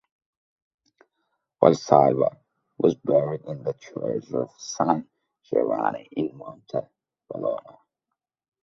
Valsalva was buried in the church of San Giovanni in Monte, Bologna.